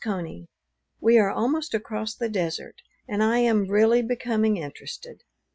CONEY, We are almost across the desert, and I am really becoming interested.